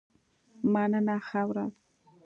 مننه ښه ورځ.